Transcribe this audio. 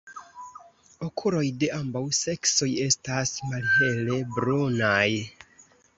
Okuloj de ambaŭ seksoj estas malhele brunaj.